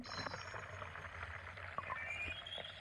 Kobe Steel is the owner of the rugby team Kobe Steel Kobelco Steelers.